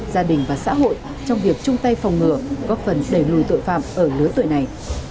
gia đình và xã hội trong việc chung tay phòng ngừa góp phần đẩy lùi tội phạm ở lứa tuổi này